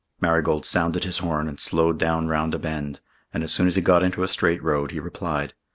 Marigold sounded his horn and slowed down round a bend, and, as soon as he got into a straight road, he replied.